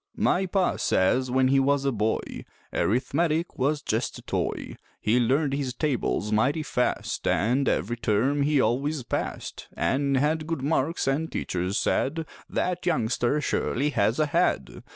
My Pa says when he was a boy Arithmetic was just a toy; He learned his tables mighty fast An' every term he always passed, An' had good marks, an' teachers said: "That youngster surely has a head."